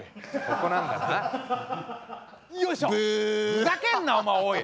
ふざけんなお前おい！